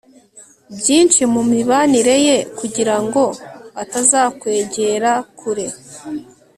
byinshi mu mibanire ye, kugira ngo atazakwegera kure